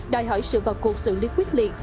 đòi hỏi sự và cuộc xử lý quyết liệt